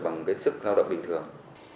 bằng cái sức lao động bình thường